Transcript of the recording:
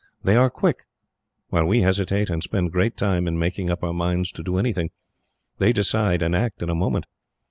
They are quick. While we hesitate, and spend great time in making up our minds to do anything, they decide and act in a moment.